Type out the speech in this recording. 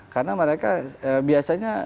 karena mereka biasanya